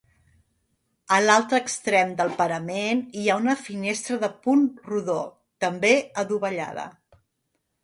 A l'altre extrem del parament hi ha una finestra de punt rodó, també adovellada.